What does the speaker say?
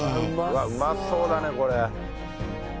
うわうまそうだねこれ。